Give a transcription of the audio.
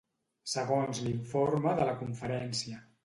Segons l'informe de la conferència.